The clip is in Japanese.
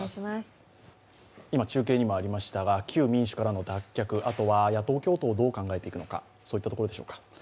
今中継にもありましたが旧民主からの脱却、あとは野党共闘をどう考えていくのか、そういったところでしょうか。